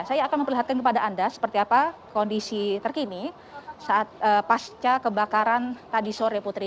saya akan memperlihatkan kepada anda seperti apa kondisi terkini saat pasca kebakaran tadi sore putri